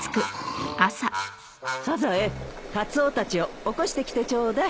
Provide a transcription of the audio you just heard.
サザエカツオたちを起こしてきてちょうだい。